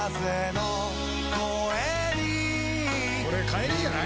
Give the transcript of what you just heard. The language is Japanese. これ帰りじゃない？